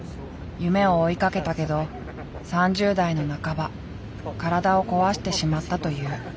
夢を追いかけたけど３０代の半ば体を壊してしまったという。